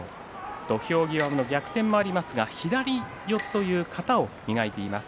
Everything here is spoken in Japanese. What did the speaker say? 土俵際の逆転もありますが左四つという型を磨いています。